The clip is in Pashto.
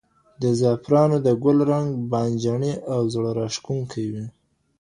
د زعفرانو د ګل رنګ بانجاني او زړه راښکونکی وي.